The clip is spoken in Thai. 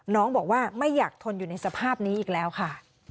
น้องบอกว่าไม่อยากทนอยู่ในสภาพนี้อีกแล้วค่ะ